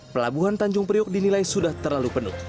pelabuhan tanjung priok dinilai sudah terlalu penuh